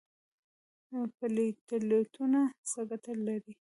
پلیټلیټونه څه ګټه لري؟